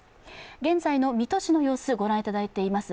現在の水戸市の様子をご覧いただいています。